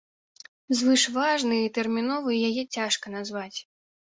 Звышважнай і тэрміновай яе цяжка назваць.